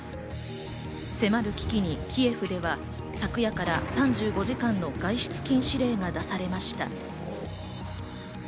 迫る危機にキエフでは昨夜から３５時間の外出禁止令が出されました。